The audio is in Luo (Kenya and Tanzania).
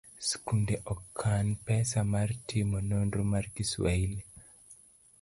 skunde okan pesa mar timo nonro mar kiswahili.